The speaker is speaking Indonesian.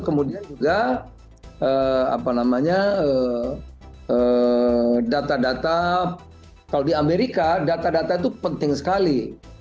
kemudian juga data data kalau di amerika data data itu penting sekali